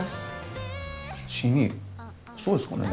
そうですかね？